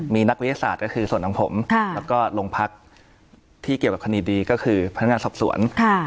มีนักวิทยาศาสตร์ก็คือส่วนของผมแล้วก็โรงพักที่เกี่ยวกับคดีดีก็คือพนักงานสอบสวน